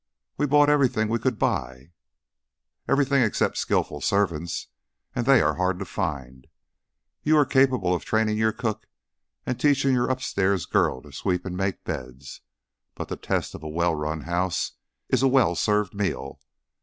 We bought everything we' could buy " "Everything except skillful servants, and they are hard to find. You are capable of training your cook and teaching your upstairs girl to sweep and make beds; but the test of a well run house is a well served meal.